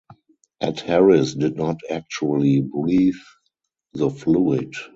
Ed Harris did not actually breathe the fluid.